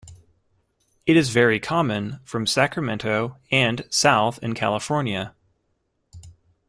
It is very common from Sacramento and south in California.